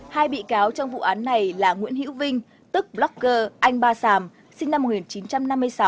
hai bị cáo trong vụ án này là nguyễn hữu vinh tức blackger anh ba sàm sinh năm một nghìn chín trăm năm mươi sáu